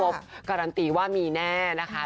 พี่โป๊ปการันตีว่ามีแน่นะคะ